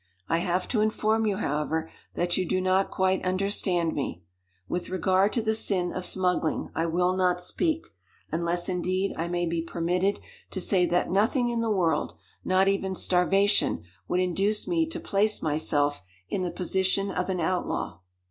I have to inform you, however, that you do not quite understand me. With regard to the sin of smuggling I will not speak, unless, indeed, I may be permitted to say that nothing in the world, not even starvation, would induce me to place myself in the position of an outlaw.